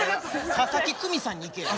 佐々木久美さんにいけや。